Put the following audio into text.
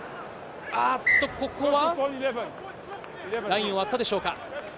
ここはラインを割ったでしょうか？